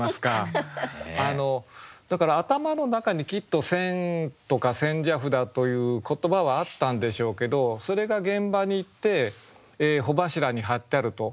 だから頭の中にきっと「千」とか「千社札」という言葉はあったんでしょうけどそれが現場に行って帆柱に貼ってあると。